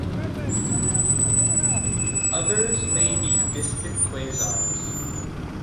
Others may be distant quasars.